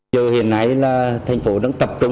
phong được đẩy đuổi sức điểm